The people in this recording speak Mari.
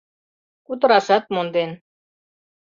Кутырашат монден.